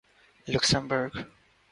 Luxembourg